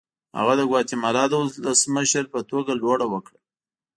هغه د ګواتیمالا د ولسمشر په توګه لوړه وکړه.